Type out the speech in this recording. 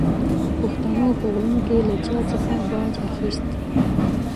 پښتنو په غرونو کې له چا څخه باج اخیست.